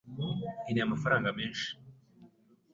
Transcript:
Nkeneye amafaranga menshi.